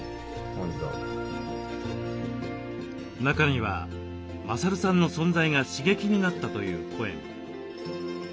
中には勝さんの存在が刺激になったという声も。